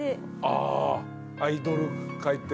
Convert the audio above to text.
あアイドル界って？